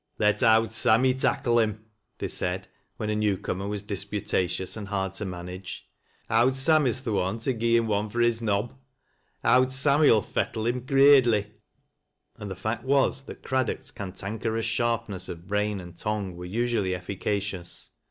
" Let Owd Sammy tackle him," they said, when a new comer was disputations, and hard to manage; " Owd Sammy's th' one to gi' him ore fnr his liob. Owd Sammy'll fettle him — graidely." And the fact was that Craddock's cantankerous sharpness of brain and tongue were usually efficacious.